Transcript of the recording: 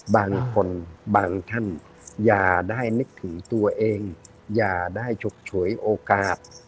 บางคนบางท่านอย่าได้นึกถึงตัวเองอย่าได้ฉุกฉวยโอกาส